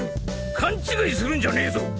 勘違いするんじゃねえぞ！